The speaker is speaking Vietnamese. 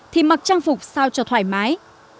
thì mặc trang phục sao cho thoải mái